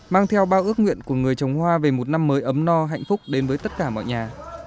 mang theo bao ước nguyện của người trồng hoa về một năm mới ấm no hạnh phúc đến với tất cả mọi nhà